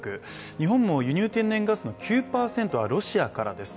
日本も輸入天然ガスの９％はロシアからです。